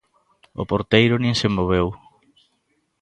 O porteiro nin se moveu.